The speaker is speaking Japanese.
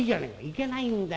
「いけないんだよ。